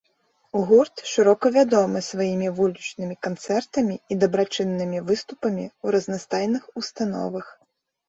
Гурт шырока вядомы сваімі вулічнымі канцэртамі і дабрачыннымі выступамі ў разнастайных установах.